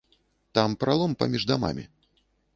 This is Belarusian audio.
Там пралом паміж дамамі.